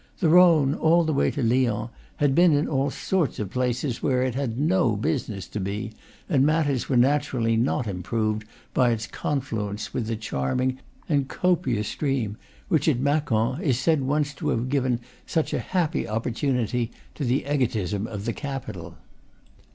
The Rhone, all the way to Lyons, had been in all sorts of places where it had no business to be, and matters were naturally not improved by its confluence with the charming and copious stream which, at Macon, is said once to have given such a happy opportunity to the egotism of the capital.